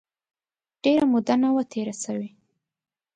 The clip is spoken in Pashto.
ډېره موده نه وه تېره سوې.